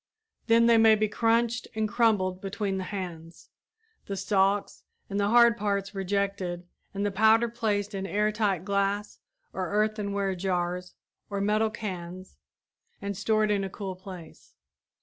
Then they may be crunched and crumbled between the hands, the stalks and the hard parts rejected and the powder placed in air tight glass or earthenware jars or metal cans, and stored in a cool place.